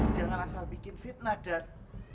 jangan asal bikin fitnah dan